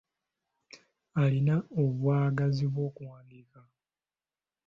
Alina obwagazi bw'okuwandiika!